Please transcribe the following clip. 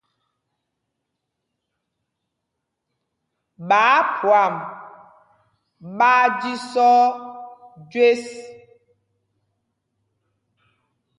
Ɓááphwam ɓaa jísɔ̄ɔ̄ jüés.